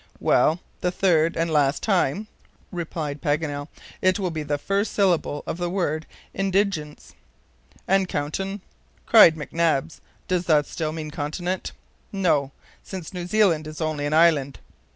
_" "Well, the third and last time," replied Paganel, "it will be the first syllable of the word INDIGENCE." "And CONTIN?" cried McNabbs. "Does that still mean CONTINENT?" "No; since New Zealand is only an island."